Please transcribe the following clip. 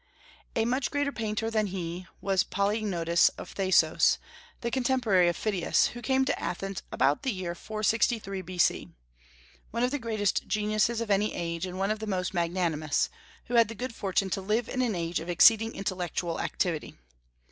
A much greater painter than he was Polygnotus of Thasos, the contemporary of Phidias, who came to Athens about the year 463 B.C., one of the greatest geniuses of any age, and one of the most magnanimous, who had the good fortune to live in an age of exceeding intellectual activity.